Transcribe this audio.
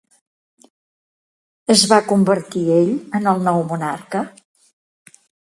Es va convertir ell en el nou monarca?